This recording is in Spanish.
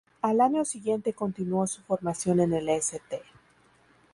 Al año siguiente continuó su formación en el St.